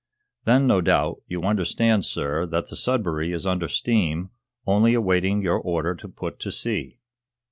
"Then, no doubt, you understand, sir, that the 'Sudbury' is under steam, only awaiting your order to put to sea."